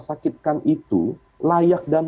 sakitkan itu layak dan